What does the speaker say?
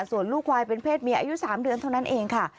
ส่วนลูกควายเป็นเพศเมียอายุ๓เดือนเท่านั้นเองค่ะ